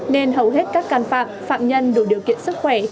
nên hầu hết các can phạm phạm nhân đủ điều kiện sức khỏe